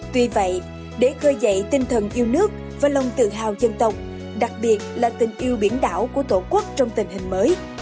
tuy vậy để khơi dậy tinh thần yêu nước và lòng tự hào dân tộc đặc biệt là tình yêu biển đảo của tổ quốc trong tình hình mới